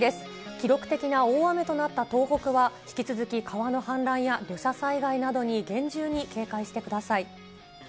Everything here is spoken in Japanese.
記録的な大雨となった東北は、引き続き川の氾濫や土砂災害などに厳重に警戒してください。